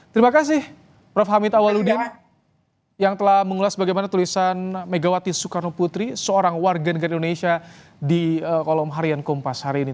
terima kasih prof hamid awaludin yang telah mengulas bagaimana tulisan megawati soekarno putri seorang warga negara indonesia di kolom harian kompas hari ini